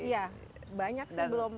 iya banyak sih